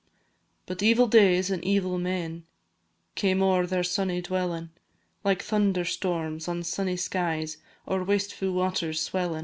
But evil days and evil men, Came ower their sunny dwellin', Like thunder storms on sunny skies, Or wastefu' waters swellin'.